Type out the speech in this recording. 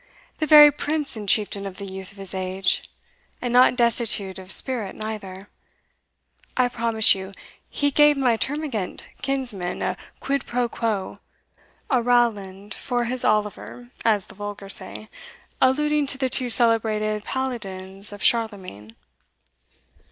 the very prince and chieftain of the youth of this age; and not destitute of spirit neither I promise you he gave my termagant kinsman a quid pro quo a Rowland for his Oliver, as the vulgar say, alluding to the two celebrated Paladins of Charlemagne."